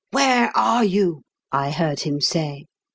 " Where are you ?" I heard him say.